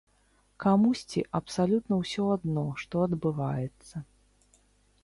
Камусьці абсалютна ўсё адно, што адбываецца.